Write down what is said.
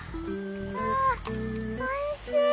ああおいしい！